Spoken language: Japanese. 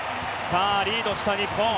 リードした日本。